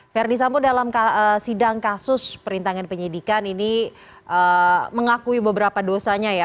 verdi sambo dalam sidang kasus perintangan penyidikan ini mengakui beberapa dosanya ya